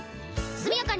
速やかに。